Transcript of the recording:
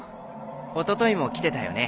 おとといも来てたよね。